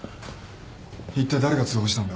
いったい誰が通報したんだ？